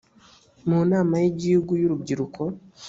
mu nama y igihugu y urubyiruko